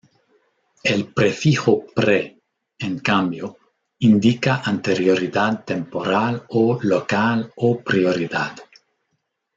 El prefijo pre, en cambio, indica anterioridad temporal o local o prioridad.